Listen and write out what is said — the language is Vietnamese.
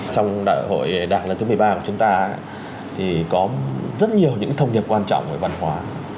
trong đại hội đảng lần thứ một mươi ba của chúng ta thì có rất nhiều những thông điệp quan trọng về văn hóa